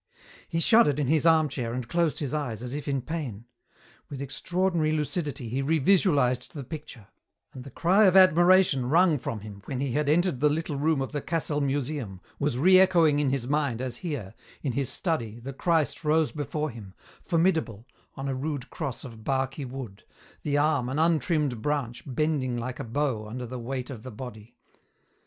He shuddered in his armchair and closed his eyes as if in pain. With extraordinary lucidity he revisualized the picture, and the cry of admiration wrung from him when he had entered the little room of the Cassel museum was reechoing in his mind as here, in his study, the Christ rose before him, formidable, on a rude cross of barky wood, the arm an untrimmed branch bending like a bow under the weight of the body.